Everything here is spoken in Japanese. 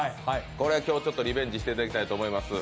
今日リベンジしていただきたいと思います。